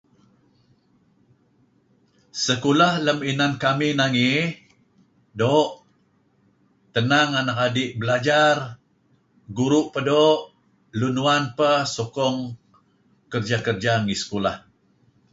Sekulah lem inan kamih nangey doo' senang anak adi' belajar, guru' peh doo', lun uwan peh sokong kerja-kerja ngi sekolah.